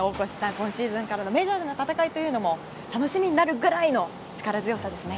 今シーズンからのメジャーでの戦いも楽しみになるぐらいの力強さですね。